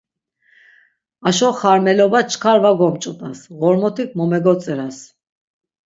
Aşo xarmeloba çkar va gomç̌ut̆as, Ğormotik mo megotziras.